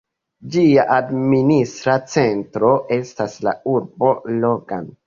Ĝia administra centro estas la urbo Logan.